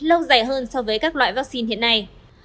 lâu dài hơn so với các loại vaccine hiện nay